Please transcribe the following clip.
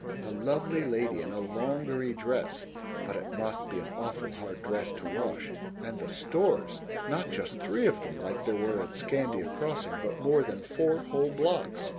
A lovely lady in a longery dress (but it must be an awful hard dress to wash). And the stores! Not just three of them, like there were at Scandia Crossing, but more than four whole blocks!